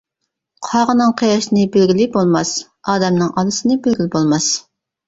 قاغىنىڭ قېرىسىنى بىلگىلى بولماس ئادەمنىڭ ئالىسىنى بىلگىلى بولماس.